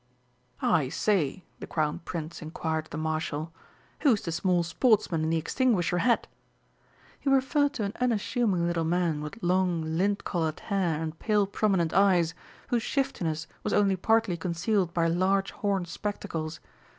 "I say," the Crown Prince inquired of the Marshal, "who's the small sportsman in the extinguisher hat?" he referred to an unassuming little man with long, lint coloured hair and pale, prominent eyes, whose shiftiness was only partly concealed by large horn spectacles.